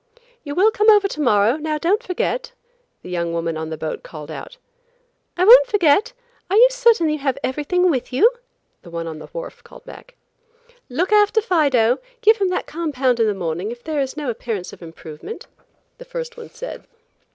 "You will come over to morrow, now don't forget," the young woman on the boat called out. "I won't forget. Are you certain that you have everything with you?" the one on the wharf called back. "Look after Fido. Give him that compound in the morning if there is no appearance of improvement," the first one said.